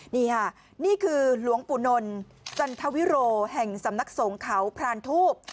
นี่ค่ะนี่คือหลวงปู่นนจันทวิโรแห่งสำนักสงฆ์เขาพรานทูบ